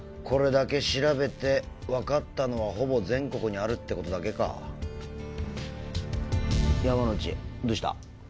これだけ調べて分かったのはほぼ全国にあるってことだけか山之内どうした？